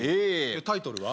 タイトルは？